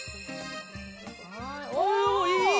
おおいい！